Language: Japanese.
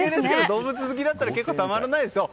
動物好きだったらたまらないでしょ。